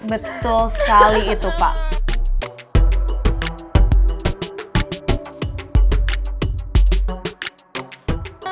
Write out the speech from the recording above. betul sekali itu pak